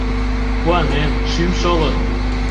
Куанен, шӱм шолын